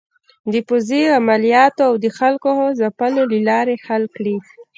د پوځې عملیاتو او د خلکو د ځپلو له لارې حل کړي.